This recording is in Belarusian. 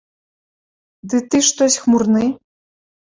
Ды ты штось хмурны?